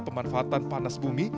pemanfaatan panas bumi